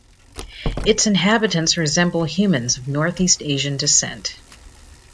Its inhabitants resemble humans of northeast Asian descent.